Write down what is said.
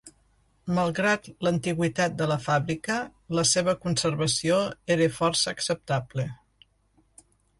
Malgrat l'antiguitat de la fàbrica, la seva conservació era força acceptable.